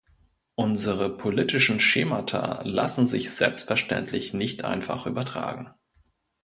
Unsere politischen Schemata lassen sich selbstverständlich nicht einfach übertragen.